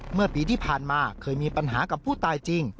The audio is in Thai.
เมื่อปีที่ผ่านมาเคยมีปัญหากับผู้ตายจริง